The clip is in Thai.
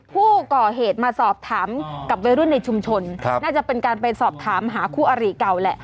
ผู้ก่อเหตุมาสอบถามกับวัยรุ่นในชุมชนน่าจะเป็นการไปสอบถามหาคู่อริเก่าแหละ